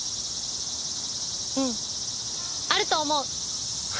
うんあると思う。